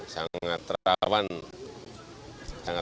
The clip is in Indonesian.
sangat terapan tsunami